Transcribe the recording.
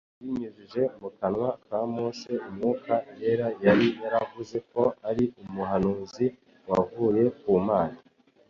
Abinyujije mu kanwa ka Mose Umwuka `yera yari yaravuze ko ari umuhanuzi wavuye ku Mana.